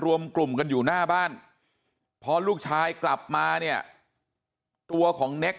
รวมกลุ่มกันอยู่หน้าบ้านพอลูกชายกลับมาเนี่ยตัวของเน็ก